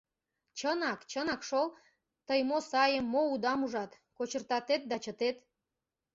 Чынак, чынак шол, тый мо сайым, мо удам ужат — кочыртатет да чытет!